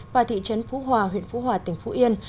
và thị trấn phú hòa huyện phú hòa tỉnh phú yên